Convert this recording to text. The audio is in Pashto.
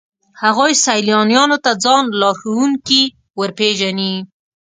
هغوی سیلانیانو ته ځان لارښوونکي ورپېژني.